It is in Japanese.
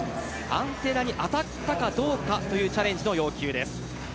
アンテナに当たったかどうかというチャレンジの要求です。